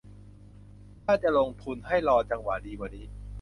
ถ้าจะลงทุนให้รอจังหวะดีกว่านี้